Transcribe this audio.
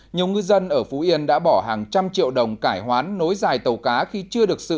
nhiều ngư dân ở phú yên đã bỏ hàng trăm triệu đồng cải hoán nối dài tàu cá khi chưa được sự